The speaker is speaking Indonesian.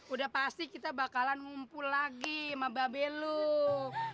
udah pasti kita bakalan ngumpul lagi sama babellu